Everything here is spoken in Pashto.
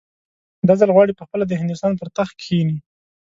دا ځل غواړي پخپله د هندوستان پر تخت کښېني.